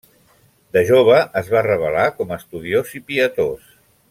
De jove es va revelar com estudiós i pietós.